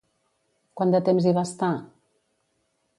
Quant de temps hi va estar?